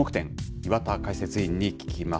岩田解説委員に聞きます。